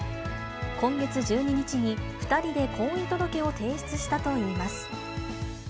今月１２日に、２人で婚姻届を提出したといいます。